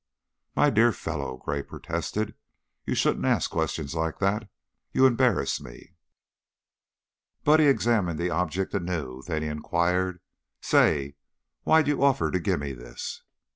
"My dear fellow," Gray protested, "you shouldn't ask questions like that. You embarrass me." Buddy examined the object anew, then he inquired, "Say, why'd you offer to gimme this?"